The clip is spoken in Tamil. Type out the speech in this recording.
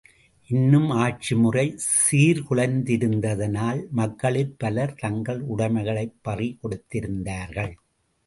இன்னும் ஆட்சிமுறை சீர்குலைந்திருந்ததனால், மக்களிற் பலர் தங்கள் உடமைகைளைப் பறி கொடுத்திருந்தார்கள்.